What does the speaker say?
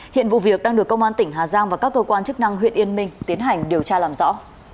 hiện vụ việc đang được công an tỉnh hà giang và các cơ quan chức năng huyện yên minh tiến hành điều tra làm rõ